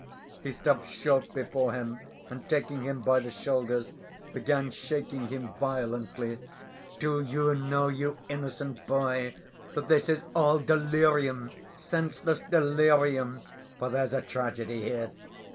He stopped short before him, and taking him by the shoulders began shaking him violently. "Do you know, you innocent boy, that this is all delirium, senseless delirium, for there's a tragedy here.